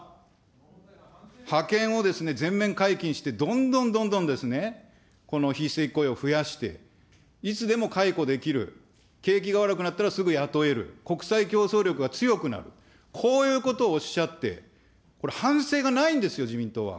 派遣を全面解禁して、どんどんどんどんですね、この非正規雇用を増やして、いつでも解雇できる、景気が悪くなったらすぐ雇える、国際競争力が強くなる、こういうことをおっしゃって、これ、反省がないんですよ、自民党は。